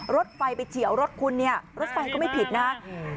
รถไฟไปเฉียวรถคุณเนี่ยรถไฟก็ไม่ผิดนะครับ